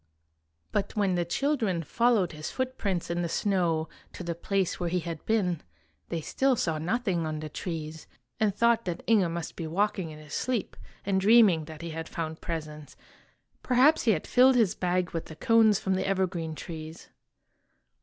But when the children followed his footprints in the snow to the place where he had been, they still saw nothing on the trees, and thought that Inge must be walking in his sleep, and dreaming that he had found presents. Perhaps he had filled his bag with the cones from the evergreen trees.